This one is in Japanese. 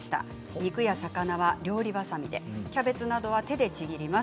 肉や魚は料理ばさみでキャベツなどは手でちぎります。